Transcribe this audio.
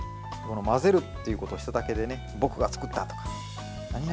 混ぜるということをしただけで僕が作ったとか何々